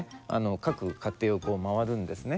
各家庭を回るんですね。